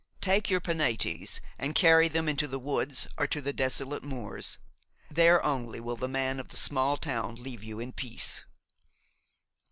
Take your penates and carry them into the woods or to the desolate moors. There only will the man of the small town leave you in peace.